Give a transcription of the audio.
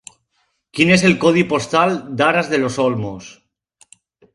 Quin és el codi postal d'Aras de los Olmos?